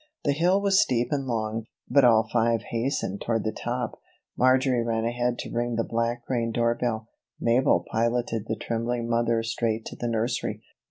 The hill was steep and long, but all five hastened toward the top. Marjory ran ahead to ring the Black Crane door bell. Mabel piloted the trembling mother straight to the nursery.